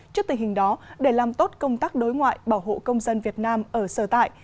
trước tình hình đó để làm tốt công tác đối ngoại bảo hộ công dân việt nam ở sở tại